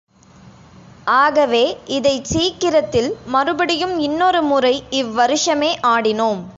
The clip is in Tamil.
ஆகவே, இதைச் சீக்கிரத்தில் மறுபடியும் இன்னொரு முறை இவ்வருஷமே ஆடினோம்.